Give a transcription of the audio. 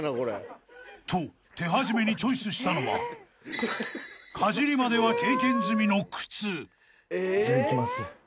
［と手始めにチョイスしたのはかじりまでは経験済みの靴］いきます。